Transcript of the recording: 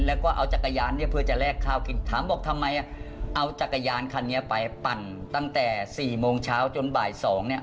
เอาจักรยานคันนี้ไปปั่นตั้งแต่๔โมงเช้าจนบ่าย๒เนี่ย